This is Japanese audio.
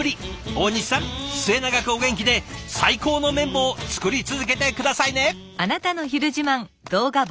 大西さん末永くお元気で最高の麺棒作り続けて下さいね！